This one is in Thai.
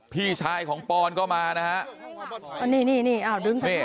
พี่ชายของปอนก็มานะฮะ